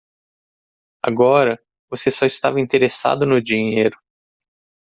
Agora, você só estava interessado no dinheiro.